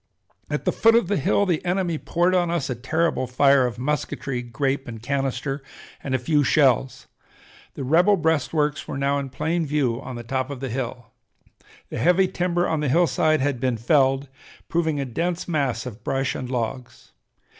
At the foot of the hill the enemy poured on us a terrible fire of musketry, grape and canister, and a few shells. The rebel breastworks were now in plain view on the top of the hill. The heavy timber on the hillside had been felled, proving a dense mass of brush and logs.